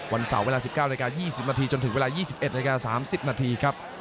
วันเสาร์เวลา๑๙นาที๒๐นาทีจนถึงเวลา๒๑นาที๓๐นาทีครับ